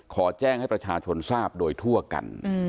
ขอแจ้งให้ประชาชนทราบโดยทั่วกัน